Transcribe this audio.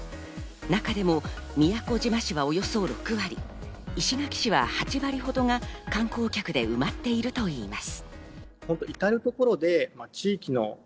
中でも宮古島市はおよそ６割、石垣市は８割ほどが観光客で埋まっているといいます。